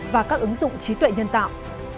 và các ứng dụng trí tuệ nhân tạo